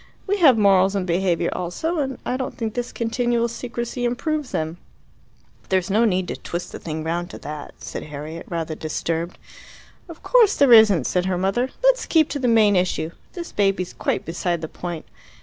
We have morals and behaviour also, and I don't think this continual secrecy improves them." "There's no need to twist the thing round to that," said Harriet, rather disturbed. "Of course there isn't," said her mother. "Let's keep to the main issue. This baby's quite beside the point.